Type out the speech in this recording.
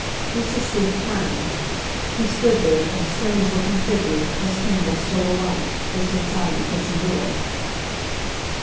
Mr. Sleuth frowned. He stood there, a strange looking figure, his candle still alight, just inside the kitchen door.